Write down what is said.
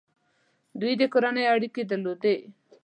دوی د کورنۍ اړیکې درلودې.